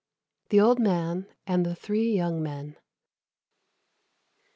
THE OLD MAN AND THE THREE YOUNG MEN.